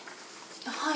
はい。